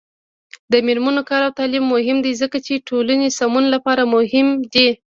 د میرمنو کار او تعلیم مهم دی ځکه چې ټولنې سمون لپاره مهم دی.